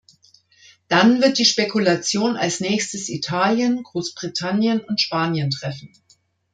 Dann wird die Spekulation als Nächstes Italien, Großbritannien und Spanien treffen.